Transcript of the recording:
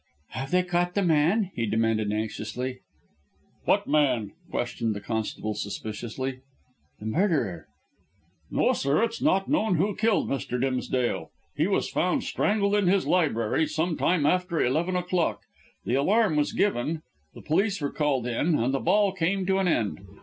"Have they caught the man?" he demanded anxiously. "What man?" questioned the constable suspiciously. "The murderer." "No, sir; it's not known who killed Mr. Dimsdale. He was found strangled in his library, some time after eleven o'clock. The alarm was given, the police were called in, and the ball came to an end.